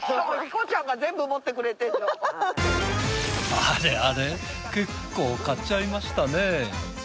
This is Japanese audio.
あれあれ結構買っちゃいましたね。